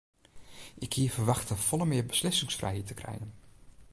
Ik hie ferwachte folle mear beslissingsfrijheid te krijen.